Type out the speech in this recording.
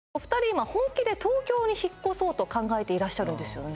今本気で東京に引っ越そうと考えていらっしゃるんですよね